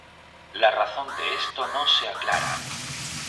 La razón de esto no se aclara.